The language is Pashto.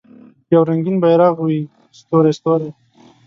یو رنګین بیرغ وي ستوری، ستوری